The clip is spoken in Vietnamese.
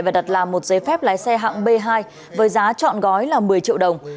và đặt làm một giấy phép lái xe hạng b hai với giá trọn gói là một mươi triệu đồng